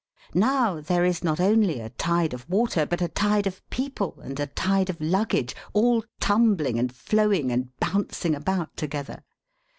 Now, there is not only a tide of water, but a tide of people, and a tide of luggage—all tumbling and flowing and bouncing about together.